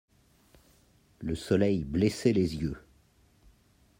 Le soleil blessait les yeux.